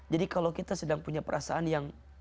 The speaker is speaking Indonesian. jadi kalau kita sedang punya perasaan yang